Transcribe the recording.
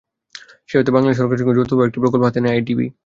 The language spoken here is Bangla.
সেই অর্থে বাংলাদেশ সরকারের সঙ্গে যৌথভাবে একটি প্রকল্প হাতে নেয় আইডিবি।